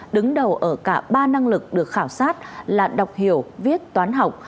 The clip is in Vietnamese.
đứng đầu ở cả ba năng lực được khảo sát là đọc hiểu viết toán học